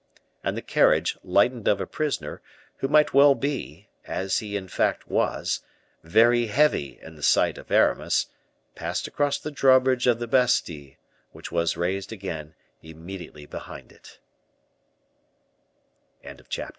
And the carriage, lightened of a prisoner, who might well be as he in fact was very heavy in the sight of Aramis, passed across the drawbridge of the Bastile, which was raised again